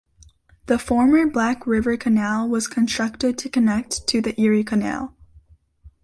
The former Black River Canal was constructed to connect to the Erie Canal.